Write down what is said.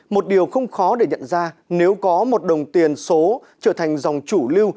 một điều không khó để nhận ra nếu có một đồng tiền số trở thành dòng chủ lưu